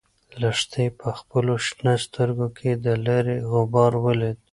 لښتې په خپلو شنه سترګو کې د لارې غبار ولید.